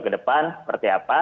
kedepan seperti apa